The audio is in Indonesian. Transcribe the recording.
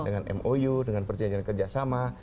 dengan mou dengan perjanjian kerjasama